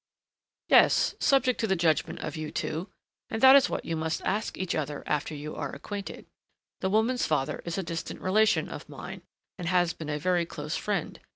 "Yes, subject to the judgment of you two; and that is what you must ask each other after you are acquainted. The woman's father is a distant relation of mine and has been a very close friend.